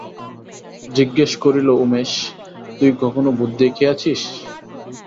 জিজ্ঞাসা করিল, উমেশ, তুই কখনো ভূত দেখিয়াছিস?